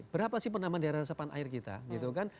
berapa sih penaman daerah nasapan air kita gitu kan